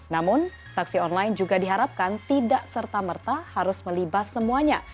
namun taksi online juga diharapkan tidak serta merta harus melibas semuanya